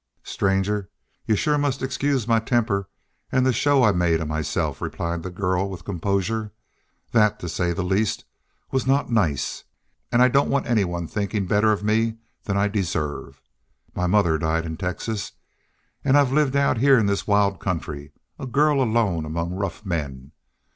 "Stranger, y'u shore must excuse my temper an' the show I made of myself," replied the girl, with composure. "That, to say the least, was not nice. An' I don't want anyone thinkin' better of me than I deserve. My mother died in Texas, an' I've lived out heah in this wild country a girl alone among rough men.